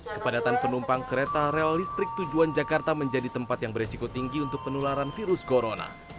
kepadatan penumpang kereta rel listrik tujuan jakarta menjadi tempat yang beresiko tinggi untuk penularan virus corona